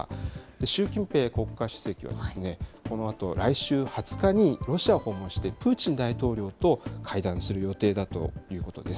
習近平国家主席は、このあと来週２０日にロシア訪問して、プーチン大統領と会談する予定だということです。